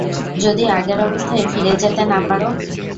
যদি আগের অবস্থায় ফিরে যেতে না পারো?